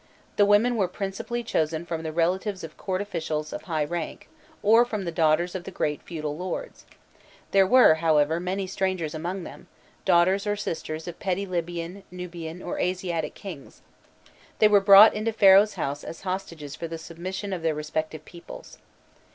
The women were principally chosen from the relatives of court officials of high rank, or from the daughters of the great feudal lords; there were, however, many strangers among them, daughters or sisters of petty Libyan, Nubian, or Asiatic kings; they were brought into Pharaoh's house as hostages for the submission of their respective peoples.